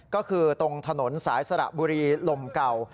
ก็คือตรงถนนสายสระบุรีลมเก่า